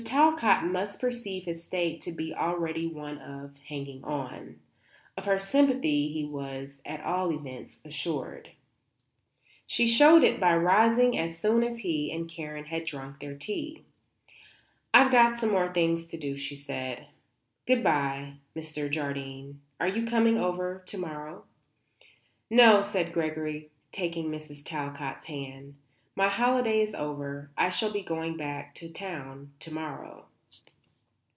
Talcott must perceive his state to be already one of "hanging on." Of her sympathy he was, at all events, assured. She showed it by rising as soon as he and Karen had drunk their tea. "I've got some more things to do," she said. "Good bye, Mr. Jardine. Are you coming over to morrow?" "No," said Gregory taking Mrs. Talcott's hand. "My holiday is over. I shall be going back to town to morrow."